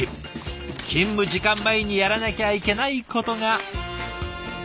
勤務時間前にやらなきゃいけないことが。